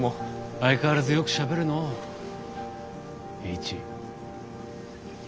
相変わらずよくしゃべるのう栄一。